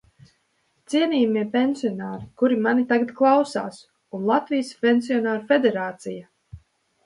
Cienījamie pensionāri, kuri mani tagad klausās, un Latvijas Pensionāru federācija!